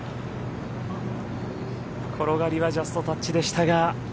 転がりはジャストタッチでしたが。